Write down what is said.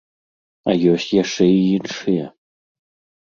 А ёсць яшчэ і іншыя.